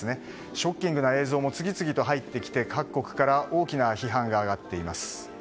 ショッキングな映像も次々と入ってきて、各国から大きな批判が上がっています。